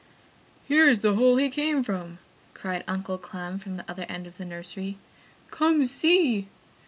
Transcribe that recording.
"Here is the hole he came from!" cried Uncle Clem from the other end of the nursery. "Come, see!"